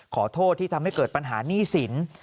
ขอโทษที่ทำให้เกิดปัญหาหนี้สิน